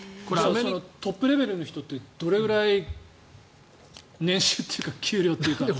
トップレベルの人ってどれくらい年収というか給料というか。